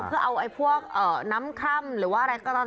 เพื่อเอาน้ำคร่ำหรืออะไรด้วย